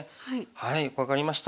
よく分かりました。